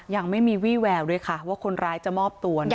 ยังไม่มีวี่แววด้วยค่ะว่าคนร้ายจะมอบตัว